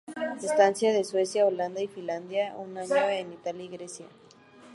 Estancias en Suecia, Holanda y Finlandia, un año en Italia y Grecia.